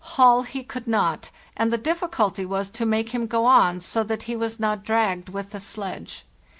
Haul he could not, and the difficulty was to make him go on so that he was not dragged with the sledge.